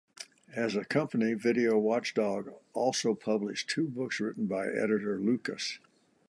As a company, Video Watchdog also published two books written by editor Lucas.